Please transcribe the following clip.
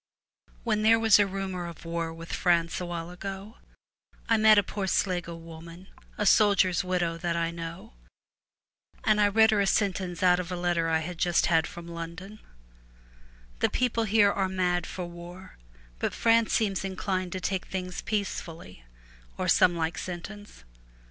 When there was a rumour of war with France a while ago, I met a poor Sligo woman, a soldier's widow, that I know, and I read her a sentence out of a letter I had just had from London :■ The people here are mad for war, but France seems inclined to take things peacefully,' or some like sentence.